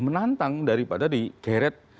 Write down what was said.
menantang daripada digeret